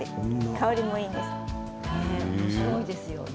香りもいいです。